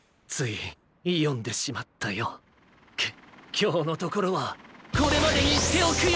きょうのところはこれまでにしておくよ。